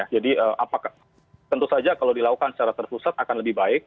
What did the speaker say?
jadi tentu saja kalau dilakukan secara terpusat akan lebih baik